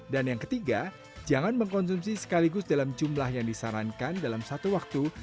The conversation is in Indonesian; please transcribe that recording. dan yang ketiga jangan mengkonsumsi sekaligus dalam jumlah yang disarankan dalam satu waktu